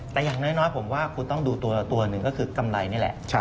แต่อย่างน้อยผมว่าคุณต้องดูตัวหนึ่งก็คือกำไรนี่แหละ